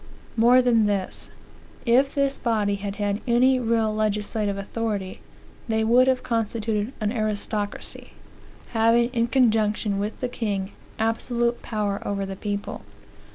More than this. If this body had had any real legislative authority, they would have constituted an aristocracy, having, in conjunction with the king, absolute power over the people.